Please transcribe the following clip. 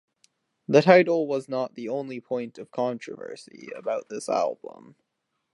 The title was not the only point of controversy about this album.